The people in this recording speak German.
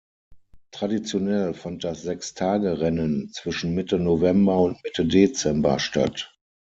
Traditionell fand das Sechstagerennen zwischen Mitte November und Mitte Dezember statt.